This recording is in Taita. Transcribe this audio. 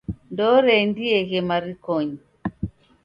Ndooreendieghe marikonyi.